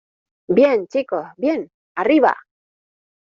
¡ bien, chicos , bien! ¡ arriba !